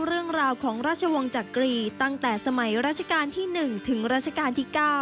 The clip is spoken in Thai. เรื่องราวของราชวงศ์จักรีตั้งแต่สมัยราชการที่๑ถึงราชการที่๙